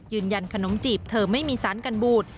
ยืนยันขนมจิ้มเธอไม่มีสารกันบูด